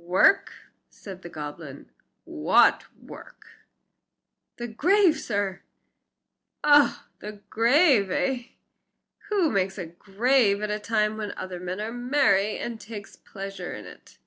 "Work!" said the goblin, "what work?" "The grave, sir." "Oh! the grave, eh? Who makes graves at a time when other men are merry, and takes a pleasure in it?"